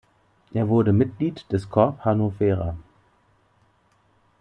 Er wurde Mitglied des Corps Hannovera.